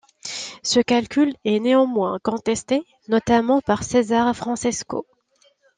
Ce calcul est néanmoins contesté, notamment par Cesare Francesco.